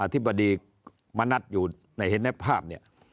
อธิบดีมณัฐอยู่ในเห็นในภาพ